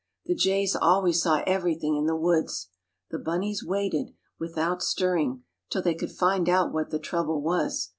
The jays always saw everything in the woods. The bunnies waited, without stirring, till they could find out what the trouble was.